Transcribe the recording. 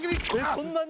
そんなに？